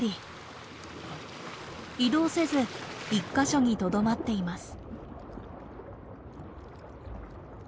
移動せず１か所にとどまっています。